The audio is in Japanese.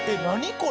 これ。